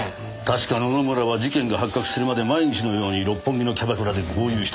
確か野々村は事件が発覚するまで毎日のように六本木のキャバクラで豪遊してました。